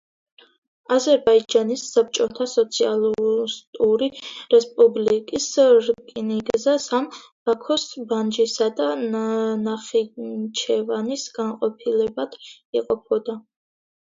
აზერბაიჯანის საბჭოთა სოციალისტური რესპუბლიკის რკინიგზა სამ: ბაქოს, განჯისა და ნახიჩევანის განყოფილებებად იყოფოდა.